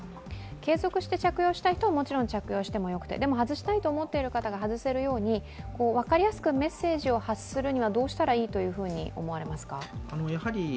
継続して着用したい人はもちろん着用してもよくて、でも外したいと思っている方が外せるように分かりやすくメッセージを発するにはどうしたらいいと思われますか。